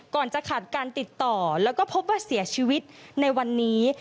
ก่อนจะขาดการติดต่อแล้วก็พบว่าเสียชีวิตในวันนี้